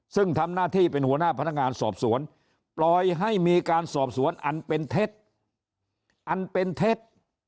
ซึ่งทำหน้าที่เป็นหัวหน้าพนักงานสอบสวนปล่อยให้มีการสอบสวนอันเป็นเท็จอันเป็นเท็จ